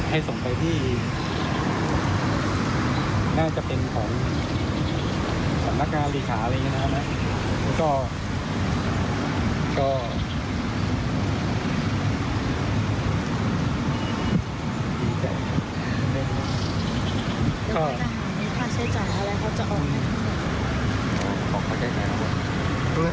ส่งไปที่น่าจะเป็นของสำนักงานเลขาอะไรอย่างนี้นะครับ